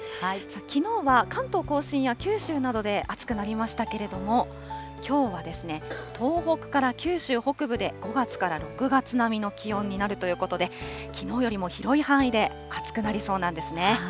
きのうは関東甲信や九州などで暑くなりましたけれども、きょうはですね、東北から九州北部で５月から６月並みの気温になるということで、きのうよりも広い範囲で暑くなりそうなんですね。